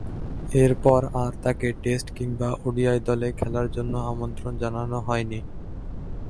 এরপর আর তাকে টেস্ট কিংবা ওডিআই দলে খেলার জন্যে আমন্ত্রণ জানানো হয়নি।